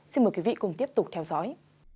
xin mời quý vị cùng tiếp tục theo dõi